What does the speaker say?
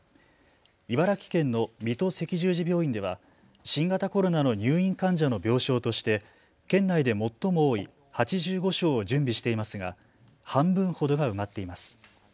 茨城県の水戸赤十字病院では新型コロナの入院患者の病床として県内で最も多い８５床を準備していますが半分ほどが埋まっています。